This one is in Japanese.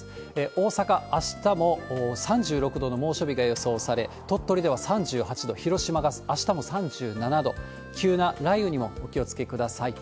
大阪、あしたも３６度の猛暑日が予想され、鳥取では３８度、広島があしたも３７度、急な雷雨にもお気をつけください。